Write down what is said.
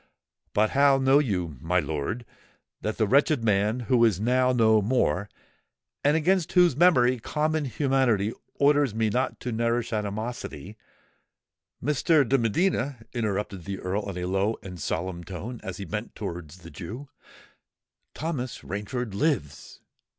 "But how know you, my lord, that the wretched man, who is now no more, and against whose memory common humanity orders me not to nourish animosity——" "Mr. de Medina," interrupted the Earl in a low and solemn tone, as he bent towards the Jew, "Thomas Rainford lives!"